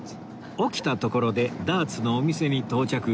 起きたところでダーツのお店に到着